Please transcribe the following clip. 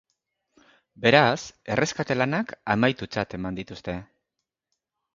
Beraz, erreskate-lanak amaitutzat eman dituzte.